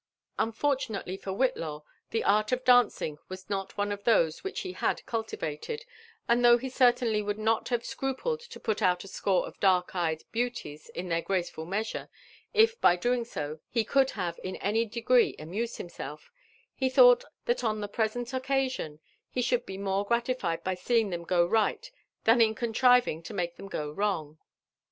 Unforlunalely for Whit law, the art of dancing was aolone of ihose wliich he had cullivalcd; and though he cerlainly would not ha\e scrupled lo put out ^ score of dark eyed beauties in (heir graceful measure if by so doing he could have in any degree amused himself, he thought that on the present oc casion he should be more gratified by seeing them go right than in contriving to make them go wrong.